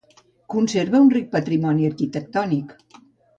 Conserva un ric patrimoni arquitectònic.